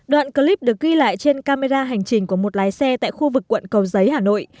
đoạn clip được ghi lại trên camera hành trình của một lái xe tại khu vực quận cầu giấy hà nội